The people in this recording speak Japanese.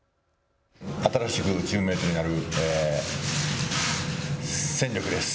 新しくチームメートになる戦力です。